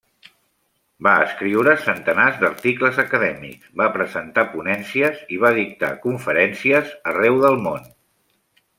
Va escriure centenars d'articles acadèmics, va presentar ponències i va dictar conferències arreu del món.